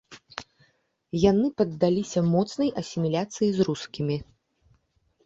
Яны паддаліся моцнай асіміляцыі з рускімі.